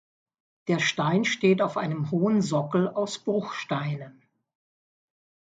Der Stein steht auf einem hohen Sockel aus Bruchsteinen.